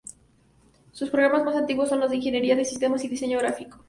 Sus programas más antiguos son los de Ingeniería de Sistemas, y Diseño Gráfico.